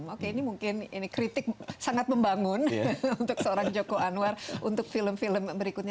oke ini mungkin ini kritik sangat membangun untuk seorang joko anwar untuk film film berikutnya